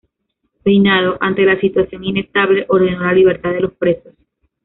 Peinado, ante la situación inestable, ordenó la libertad de los presos.